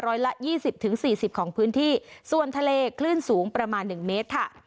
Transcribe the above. ร้อยละยี่สิบถึงสี่สิบของพื้นที่ส่วนทะเลคลื่นสูงประมาณหนึ่งเมตรค่ะ